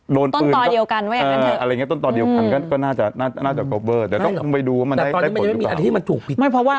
โด่นปืนอะไรอย่างนี้